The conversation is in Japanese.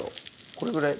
これぐらい？